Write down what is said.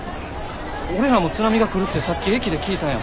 俺らも津波が来るってさっき駅で聞いたんや。